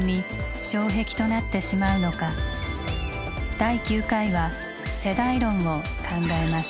第９回は「世代論」を考えます。